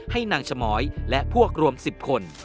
ให้นางชมอยและพวกรวม๑๐คน